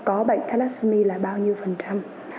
có bệnh thalassemia là bao nhiêu phần trăm